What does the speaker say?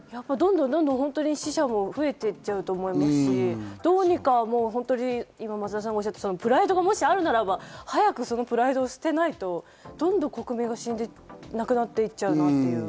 死者も増えていっちゃうと思いますし、どうにか、松田さんがおっしゃったようにプライドがあるならば、そのプライドを早く捨てないと、どんどん国民が亡くなっていっちゃうなと。